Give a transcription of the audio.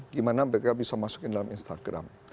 gimana mereka bisa masukin dalam instagram